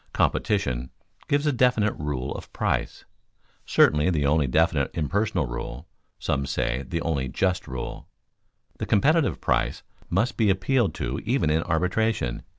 Competition gives a definite rule of price certainly the only definite impersonal rule; some say the only just rule. The competitive price must be appealed to even in arbitration.